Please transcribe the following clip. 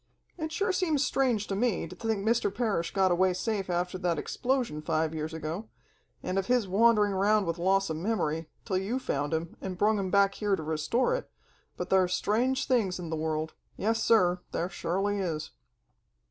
"It sure seems strange to me, to think Mr. Parrish got away safe after that explosion five years ago, and of his wandering around with loss of memory, till you found him, and brung him back here to restore it, but thar's strange things in the world yes, sir, thar surely is!"